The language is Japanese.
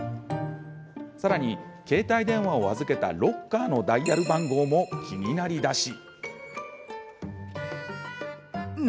さらに携帯電話を預けたロッカーのダイヤル番号も気になりだし。